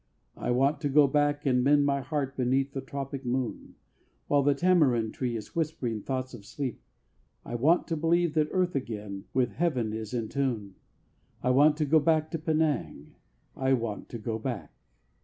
I want to go back and mend my heart Beneath the tropic moon, While the tamarind tree is whispering thoughts of sleep. I want to believe that Earth again With Heaven is in tune. I want to go back to Penang! I want to go back!